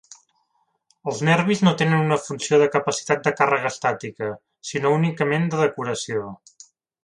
Els nervis no tenen una funció de capacitat de càrrega estàtica, sinó únicament de decoració.